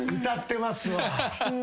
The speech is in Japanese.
歌ってますわ。